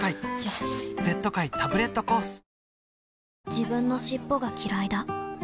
自分の尻尾がきらいだ